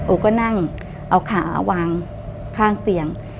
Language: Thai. ก็นั่งเอาขาวางข้างเตียง